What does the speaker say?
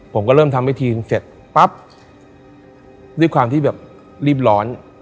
ผมก็เริ่มทำให้ทีมเสร็จปั๊บด้วยความที่แบบรีบร้อน